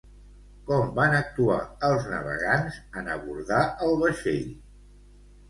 Com van actuar els navegants en abordar el vaixell?